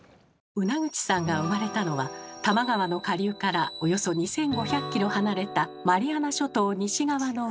ウナグチさんが生まれたのは多摩川の下流からおよそ２，５００ｋｍ離れたマリアナ諸島西側の海。